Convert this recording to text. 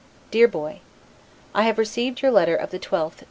DEAR BOY: I have received your letter of the 12th, N.